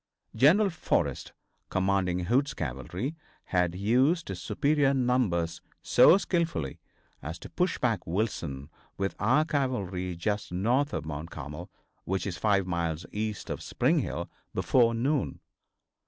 General Forrest, commanding Hood's cavalry, had used his superior numbers so skillfully as to push back Wilson with our cavalry just north of Mount Carmel, which is five miles east of Spring Hill, before noon.